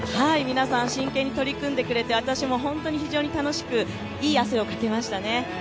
皆さん真剣に取り組んでくれて私も本当に楽しくいい汗をかけましたね。